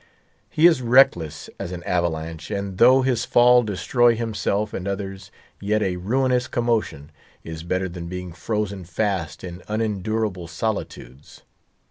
He is reckless as an avalanche; and though his fall destroy himself and others, yet a ruinous commotion is better than being frozen fast in unendurable solitudes.